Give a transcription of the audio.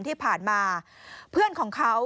ที่ผ่านมาเพื่อนของเขา